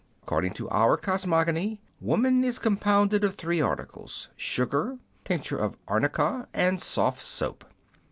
According to our cosmogony, woman is compounded of three articles, sugar, tincture of arnica, and soft soap.